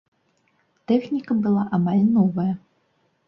Тэхніка была амаль новая.